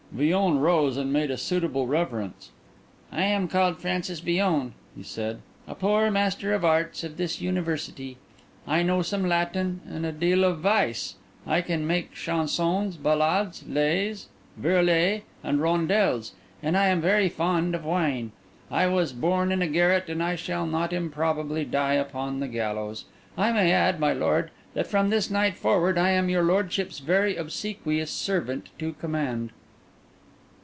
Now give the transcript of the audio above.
Villon rose and made a suitable reverence. "I am called Francis Villon," he said, "a poor Master of Arts of this university. I know some Latin, and a deal of vice. I can make chansons, ballades, lais, virelais, and roundels, and I am very fond of wine. I was born in a garret, and I shall not improbably die upon the gallows. I may add, my lord, that from this night forward I am your lordship's very obsequious servant to command."